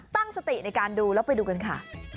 ตั้งสติในการดูแล้วไปดูกันค่ะ